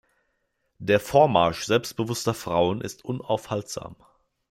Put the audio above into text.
Der Vormarsch selbstbewusster Frauen ist unaufhaltsam.